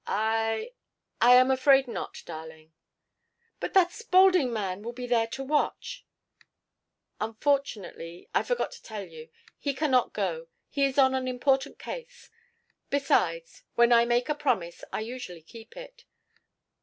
"I I am afraid not darling " "But that Spaulding man will be there to watch " "Unfortunately I forgot to tell you he cannot go he is on an important case. Besides when I make a promise I usually keep it."